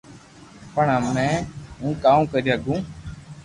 پڻ ھمي ھون ڪاوُ ڪري ھگو